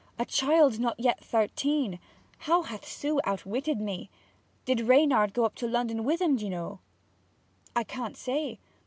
A child not yet thirteen! How Sue hath outwitted me! Did Reynard go up to Lon'on with 'em, d'ye know?' 'I can't say.